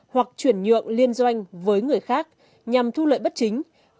hoặc chuyển nhượng liên doanh với người khác nhằm thu lợi bất chính